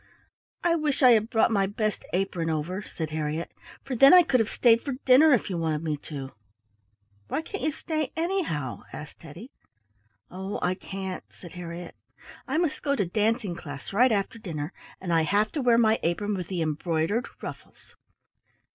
"I wish I had brought my best apron over," said Harriett, "for then I could have stayed for dinner if you wanted me to." "Why can't you stay anyhow?" asked Teddy. "Oh, I can't," said Harriett. "I must go to dancing class right after dinner, and I have to wear my apron with the embroidered ruffles."